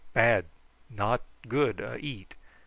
Bad; not good a eat.